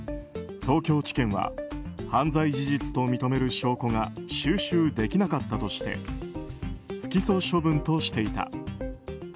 東京地検は犯罪事実と認める証拠が収集できなかったとして不起訴処分としていた。